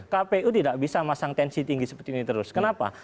kpu tidak bisa masang tensi tinggi seperti ini terus kenapa